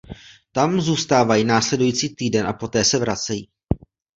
Tam zůstávají následující týden a poté se vracejí.